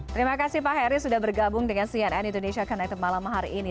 terima kasih pak heri sudah bergabung dengan cnn indonesia connected malam hari ini